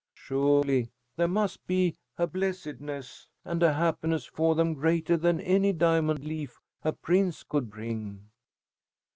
Surely there must be a blessedness and a happiness for them greater than any diamond leaf a prince could bring."